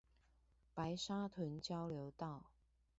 白沙屯交流道